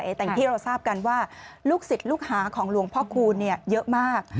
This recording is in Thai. แต่อย่างที่เราทราบกันว่าลูกศิษย์ลูกหาของหลวงพ่อคูณเยอะมาก